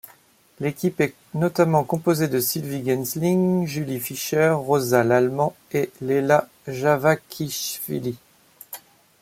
L'équipe est notamment composée de Sylvie Genzling, Julie Fischer, Roza Lallemand, et Lela Javakhichvili.